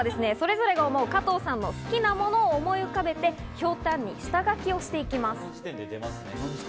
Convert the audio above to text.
まずはそれぞれが思う加藤さんの好きなものを思い浮かべて、ひょうたんに下描きをしていきます。